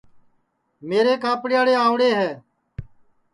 میرے کاپڑیئاڑے آؤرے ہے